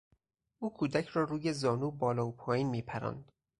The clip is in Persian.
او کودک را روی زانو بالا و پایین میپراند.